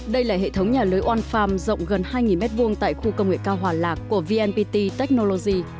đây là hệ thống nhà lưới one farm rộng gần hai m hai tại khu công nghệ cao hòa lạc của vnpt technology